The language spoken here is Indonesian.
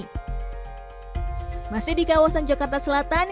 masih di kawasan jakarta selatan kami berpindah lokasi ke kawasan kuningan jakarta selatan